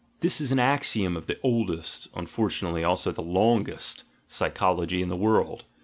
This is an axiom of the oldest (unfortunately also the longest) psychology in the world.